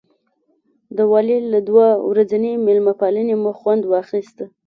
د والي له دوه ورځنۍ مېلمه پالنې مو خوند واخیست.